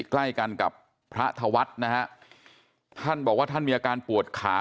ใกล้กันกับพระธวัฒน์นะฮะท่านบอกว่าท่านมีอาการปวดขา